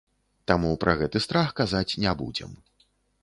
Таму пра гэты страх казаць не будзем.